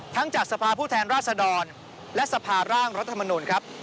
ทั้งจากสภาพูดแทนราศดรและสภาร่างรัฐธรรมนูลครับ